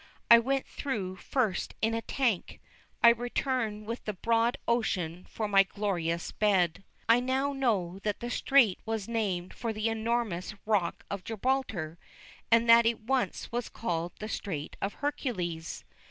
I went through first in a tank, I returned with the broad ocean for my glorious bed. I know now that the strait was named for the enormous Rock of Gibraltar, and that it once was called the Strait of Hercules.